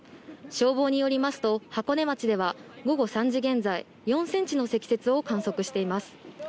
消防によりますと、箱根町では午後３時現在、４センチの積雪を観測しています。